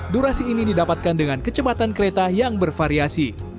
durasi ini didapatkan dengan kecepatan kereta yang bervariasi